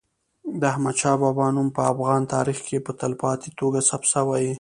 د احمد شاه بابا نوم په افغان تاریخ کي په تلپاتې توګه ثبت سوی.